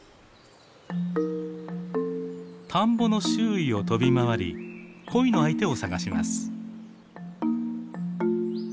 田んぼの周囲を飛び回り恋の相手を探します。